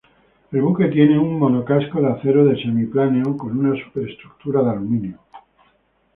El buque tiene un monocasco de acero de semi-planeo con una superestructura de aluminio.